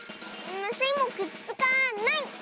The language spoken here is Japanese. スイもくっつかない！